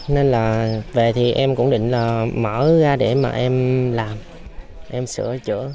nên là về thì em cũng định là mở ra để mà em làm em sửa chữa